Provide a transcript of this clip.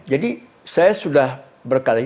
jadi saya sudah berkali ini